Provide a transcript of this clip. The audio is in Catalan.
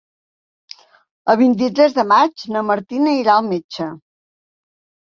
El vint-i-tres de maig na Martina irà al metge.